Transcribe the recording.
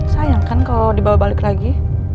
sayang kan kalau dibawa balik lagi